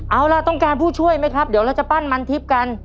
เอาล่ะต้องการผู้ช่วยไหมครับเดี๋ยวเราจะปั้นมันทิพย์กัน